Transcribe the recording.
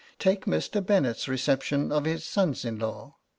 Take Mr. Bennet's reception of his sons in law.